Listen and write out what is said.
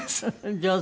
上手。